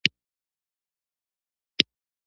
کابل په افغانستان کې د نن او راتلونکي لپاره ارزښت لري.